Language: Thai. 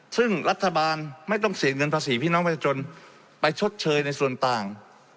ซึ่งรัฐบาลไม่ต้องเสียเงินภาษีพี่น้องประชาชนไปชดเชยในส่วนต่าง